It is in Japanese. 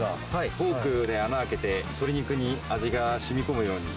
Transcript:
フォークで穴開けて、鶏肉に味がしみこむように。